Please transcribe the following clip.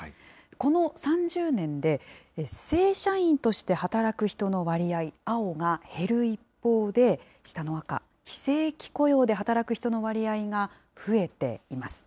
この３０年で、正社員として働く人の割合、青が減る一方で、下の赤、非正規雇用で働く人の割合が増えています。